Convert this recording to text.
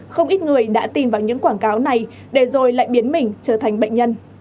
không ít người đã tìm vào những quảng cáo này để rồi lại biến mình trở thành bệnh nhân